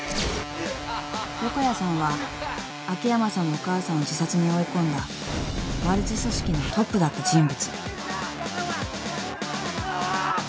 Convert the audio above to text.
［ヨコヤさんは秋山さんのお母さんを自殺に追い込んだマルチ組織のトップだった人物］